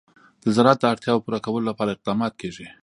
د زراعت د اړتیاوو پوره کولو لپاره اقدامات کېږي.